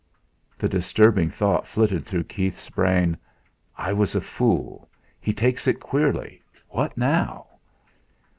The disturbing thought flitted through Keith's brain: 'I was a fool. He takes it queerly; what now?'